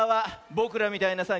ぼくらみたいなさ